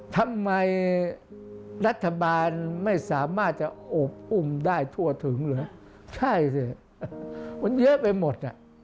ทำไมรัฐบาลไม่สามารถจะอบอุ้มได้ทั่วถึงเหรอใช่สิมันเยอะไปหมดอ่ะ